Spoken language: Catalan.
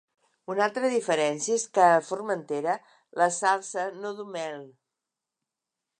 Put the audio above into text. Una altra diferència és que a Formentera la salsa no du mel.